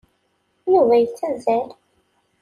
Yuba yettazzal.